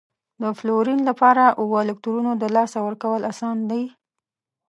د فلورین لپاره اوو الکترونو د لاسه ورکول اسان دي؟